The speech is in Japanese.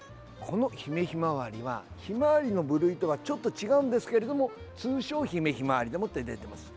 このヒメヒマワリはヒマワリの部類とはちょっと違うんですけれども通称ヒメヒマワリでもって出ています。